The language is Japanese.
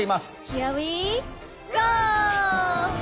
ヒアウィーゴー！